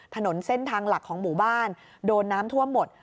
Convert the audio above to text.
ถนนเส้นทางหลักของหมู่บ้านโดนน้ำท่วมหมด